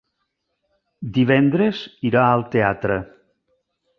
Divendres irà al teatre.